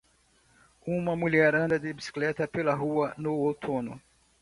Uma mulher anda de bicicleta pela rua no outono